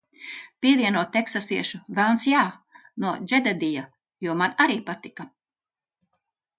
"Pievieno teksasiešu "velns, jā" no Džededija, jo man arī patika!"